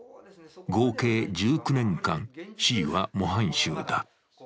合計１９年間、Ｃは模範囚だ。